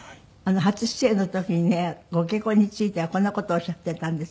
初出演の時にねご結婚についてはこんな事をおっしゃっていたんです。